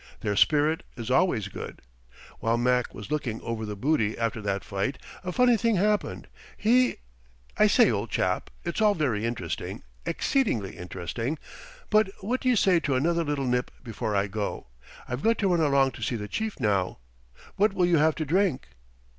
Their spirit is always good. While Mac was looking over the booty after that fight, a funny thing happened. He " "I say, old chap, it's all very interesting, exceedingly interesting, but what d'y' say to another little nip before I go? I've got to run along to see the chief now. What will you have to drink?"